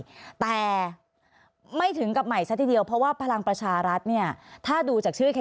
ชื่อพึ่งไม่แต่ไม่ถึงกับมัยเสร็จดีเดียวเพราะว่าพลังประชารัฐเนี่ยถ้าดูจากคุณ